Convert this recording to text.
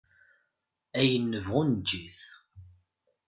Ayen nebɣu neg-it.